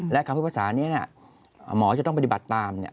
และคำพิพากษานี้หมอจะต้องปฏิบัติตาม